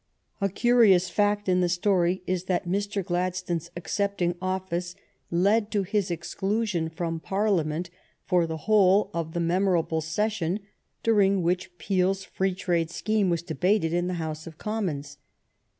A curious fact in the story is that Mr. Gladstone's ■'■'"""'""''^""™'™" accepting office led to his exclusion from Parliament for the whole of the memorable session during which Peel's free trade scheme was debated in the House of Commons.